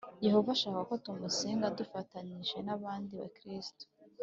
Yehova ashaka ko tumusenga dufatanyije n’abandi Bakristo .